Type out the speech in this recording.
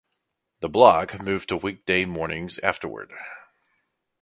The block moved to weekday mornings afterward.